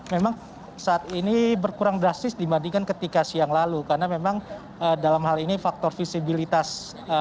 memang saat ini berkurang drastis dibandingkan ketika siang lalu karena memang dalam hal ini faktor visibilitas